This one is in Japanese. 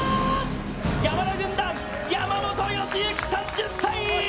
山田軍団、山本良幸３０歳。